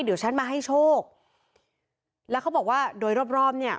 เดี๋ยวฉันมาให้โชคแล้วเขาบอกว่าโดยรอบรอบเนี่ย